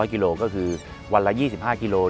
๕๐๐กิโลกรัมก็คือวันละ๒๕กิโลกรัม